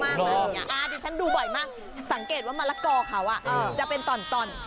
อ่าดิฉันดูบ่อยมากสังเกตว่ามะละกอ๋อเขาอ่ะจะเป็นตอน